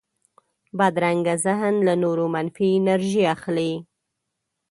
بدرنګه ذهن له نورو منفي انرژي اخلي